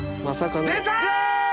出た！